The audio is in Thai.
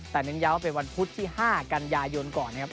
แต่เน้นย้ำว่าเป็นวันพุธที่๕กันยายนก่อนนะครับ